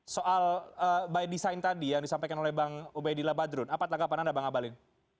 soal by design tadi yang disampaikan oleh bang ubedillah badrun apa tanggapan anda bang abalin